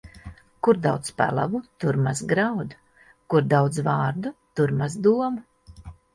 Kur daudz pelavu, tur maz graudu; kur daudz vārdu, tur maz domu.